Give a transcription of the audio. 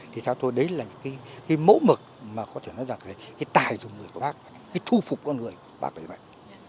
thì theo tôi đấy là những mẫu mực mà có thể nói là cái tài dụng người của bác cái thu phục con người của bác